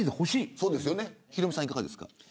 ヒロミさん、いかがですか。